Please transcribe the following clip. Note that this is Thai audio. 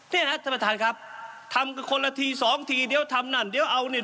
เนี่ยนะท่านประธานครับทำกันคนละทีสองทีเดี๋ยวทำนั่นเดี๋ยวเอาเนี่ย